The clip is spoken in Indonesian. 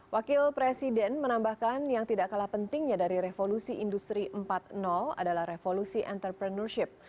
wakil presiden menambahkan yang tidak kalah pentingnya dari revolusi industri empat adalah revolusi entrepreneurship